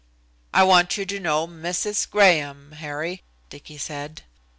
"I want you to know Mrs. Graham, Harry," Dicky said.